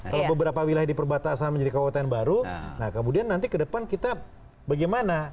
kalau beberapa wilayah diperbatasan menjadi kabupaten baru kemudian nanti ke depan kita bagaimana